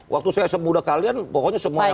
waktu saya semuda kalian pokoknya semuanya